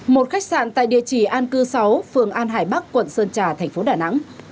một khách sạn tại địa chỉ an cư sáu phường an hải bắc quận sơn trà thành phố đà nẵng